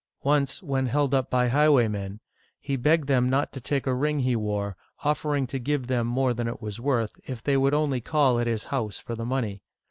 Once, when held up by highwaymen, he begged them not to take a ring he wore, offering to give them more than it was worth, if they would only call at his house for the money.